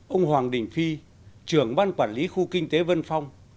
ông hoàng đình phi trưởng ban quản lý khu kinh tế vân phong